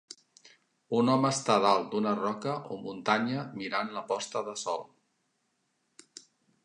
Un home està dalt d'una roca o muntanya mirant la posta de sol.